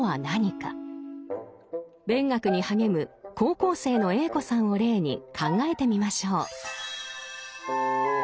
勉学に励む高校生のＡ子さんを例に考えてみましょう。